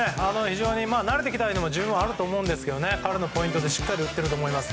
慣れてきたというのもあると思いますが彼のポイントでしっかり打っていると思います。